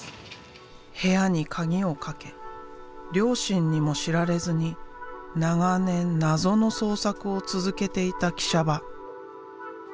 部屋に鍵を掛け両親にも知られずに長年謎の創作を続けていた喜舎場。